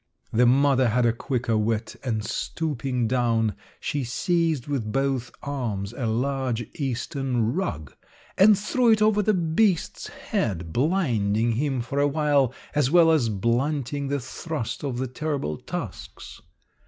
"The mother had a quicker wit, and stooping down, she seized with both arms a large Eastern rug, and threw it over the beast's head, blinding him for the while, as well as blunting the thrust of the terrible tusks.